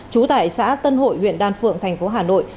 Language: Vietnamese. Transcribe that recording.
chú tải xã tân hội huyện đan phượng thành phố hà nội